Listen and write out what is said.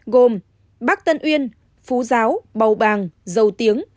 gồm bắc tân uyên phú giáo bầu bàng dầu tiếng